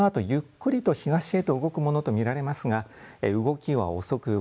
このあとゆっくりと東へと動くものと見られますが動きは遅く